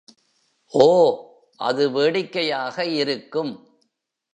ஓ, அது வேடிக்கையாக இருக்கும்!